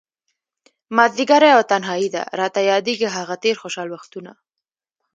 مازديګری او تنهائي ده، راته ياديږي هغه تير خوشحال وختونه